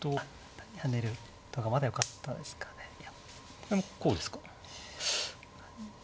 これもこうですか。